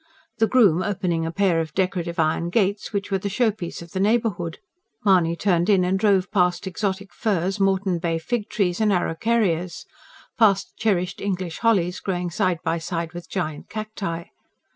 The groom opening a pair of decorative iron gates which were the showpiece of the neighbourhood, Mahony turned in and drove past exotic firs, Moreton Bay fig trees and araucarias; past cherished English hollies growing side by side with giant cacti.